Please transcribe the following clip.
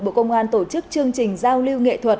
bộ công an tổ chức chương trình giao lưu nghệ thuật